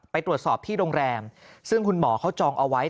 ไปตรวจสอบที่โรงแรมซึ่งคุณหมอเขาจองเอาไว้